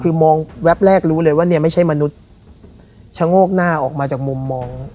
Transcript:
คือมองแวบแรกรู้เลยว่าเนี่ยไม่ใช่มนุษย์ชะโงกหน้าออกมาจากมุมมอง